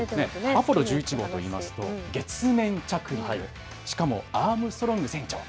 アポロ１１号というと月面着陸、しかもアームストロング船長。